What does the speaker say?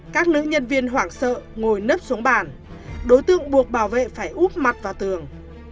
các nữ nhân viên hoảng sợ ngồi nứt xuống bàn đối tượng buộc bảo vệ phải úp mặt vào tường